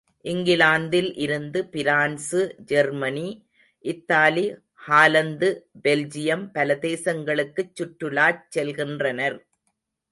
இங்கிலாந்தில் இருந்து France, Germany, Italy, Holland, Belgium பல தேசங்களுக்குச் சுற்றலாச் செல்கின்றனர்.